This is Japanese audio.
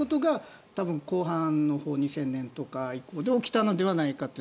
多分、後半のほう２０００年以降とかで起きたんではないかと。